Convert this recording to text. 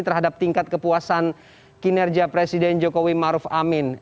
terhadap tingkat kepuasan kinerja presiden jokowi maruf amin